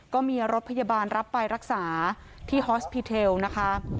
ก็มีรถพยาบาลรับไปรักษาที่ฮอสพีเทลนะคะ